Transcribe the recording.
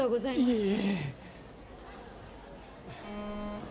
いえ